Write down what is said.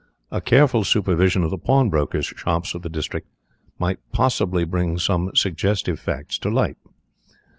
A careful supervision of the pawnbrokers' shops of the district might possibly bring some suggestive facts to light."